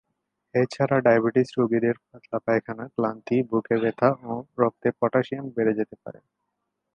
এ ছাড়া ডায়াবেটিস রোগীদের পাতলা পায়খানা, ক্লান্তি, বুক ব্যথা ও রক্তে পটাশিয়াম বেড়ে যেতে পারে।